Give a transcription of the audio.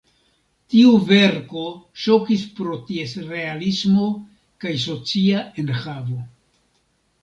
Tiu verko ŝokis pro ties realismo kaj socia enhavo.